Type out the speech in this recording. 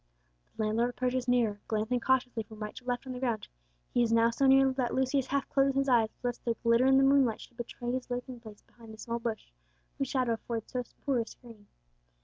The landlord approaches nearer, glancing cautiously from right to left on the ground; he is now so near that Lucius half closes his eyes, lest their glitter in the moonlight should betray his lurking place behind the small bush, whose shadow affords so poor a screen!